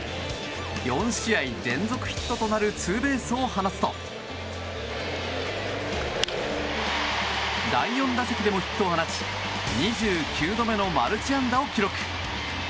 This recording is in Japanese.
４試合連続ヒットとなるツーベースを放つと第４打席でもヒットを放ち２９度目のマルチ安打を記録。